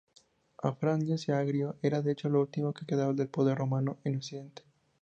Afranio Siagrio era de hecho lo último que quedaba del poder romano en Occidente.